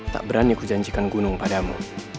tak berani ku janjikan gunung padamu